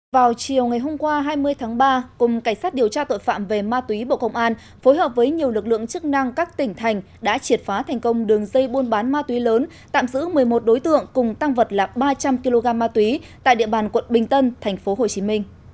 vào chiều ngày hôm qua hai mươi tháng ba cùng cảnh sát điều tra tội phạm về ma túy bộ công an phối hợp với nhiều lực lượng chức năng các tỉnh thành đã triệt phá thành công đường dây buôn bán ma túy lớn tạm giữ một mươi một đối tượng cùng tăng vật là ba trăm linh kg ma túy tại địa bàn quận bình tân tp hcm